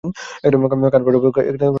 কান ফাটাবো তোর!